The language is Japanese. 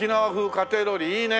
家庭料理いいね。